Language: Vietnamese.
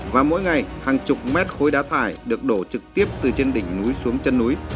và mỗi ngày hàng chục mét khối đá thải được đổ trực tiếp từ trên đỉnh núi xuống chân núi